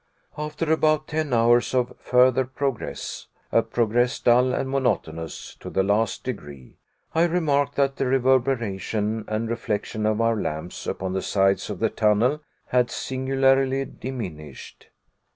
After about ten hours of further progress a progress dull and monotonous to the last degree I remarked that the reverberation, and reflection of our lamps upon the sides of the tunnel, had singularly diminished.